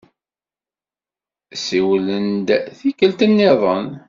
Siwlem-d tikkelt-nniḍen.